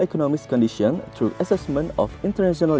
melalui penilaian masalah internasional